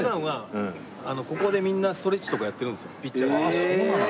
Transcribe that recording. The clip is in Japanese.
あっそうなの？